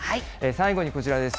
最後にこちらです。